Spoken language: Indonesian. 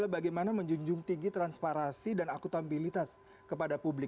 bagaimana menjunjung tinggi transparansi dan akutabilitas kepada publik